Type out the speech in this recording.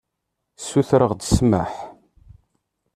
Sutreɣ-d ssmaḥ.